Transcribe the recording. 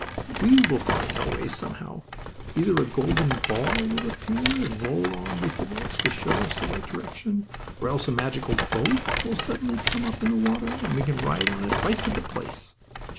We will find our way somehow. Either a golden ball will appear and roll on before us to show us the right direction, or else a magical boat will suddenly come up in the water, and we can ride right to the place."